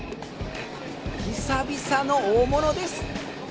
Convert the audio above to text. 久々の大物です。